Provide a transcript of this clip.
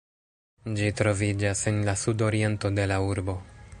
Ĝi troviĝas en la sudoriento de la urbo.